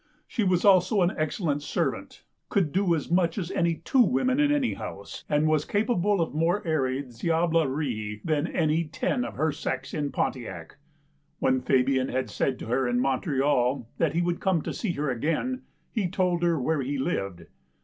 She was also an excellent servant, could do as much as any two w^omen in any house, and was capable of more airy diablerie than any ten of her sex in Pontiac. When Fabian had said to her in Montreal that he would come to see her again, he told her where he lived.